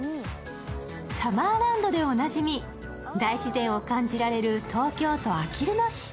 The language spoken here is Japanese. サマーランドでおなじみ、大自然を感じられる東京都あきる野市。